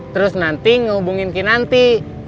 terus nanti ngehubungin kinanti